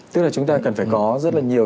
tức là chúng ta cần phải có rất là nhiều